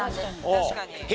確かに。